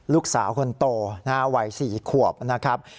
ลูกสาวคนโตวัย๔ขวบนะครับ